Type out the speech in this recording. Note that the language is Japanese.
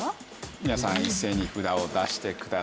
皆さん一斉に札を出してください。